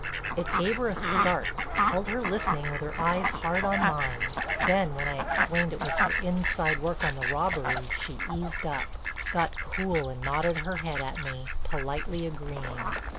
It gave her a start—held her listening with her eyes hard on mine—then when I explained it was for inside work on the robbery she eased up, got cool and nodded her head at me, politely agreeing.